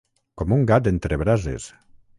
Com un gat entre brases.